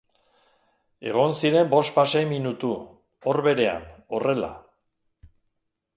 Egon ziren bospasei minutu, hor berean, horrela.